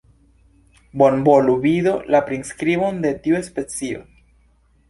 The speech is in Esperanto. Bonvolu vidu la priskribon de tiu specio.